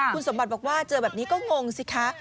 คุณสมบัติบอกว่าเจอแบบนี้ก็งงสิคะ